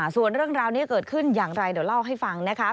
ส่วนเรื่องราวนี้เกิดขึ้นอย่างไรเดี๋ยวเล่าให้ฟังนะคะ